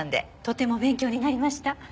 とても勉強になりました。